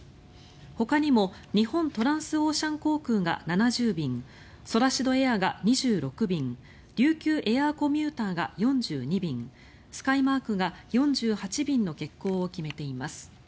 ほかにも日本トランスオーシャン航空が７０便ソラシドエアが２６便琉球エアコミューターが４２便スカイマークが４８便の欠航を決めています。